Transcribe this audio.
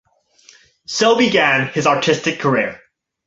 So began his artistic career.